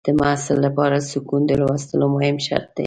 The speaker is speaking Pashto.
د محصل لپاره سکون د لوستلو مهم شرط دی.